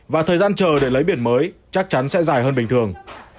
và thời gian chờ để lấy biển mới chắc chắn sẽ dài hơn bình thường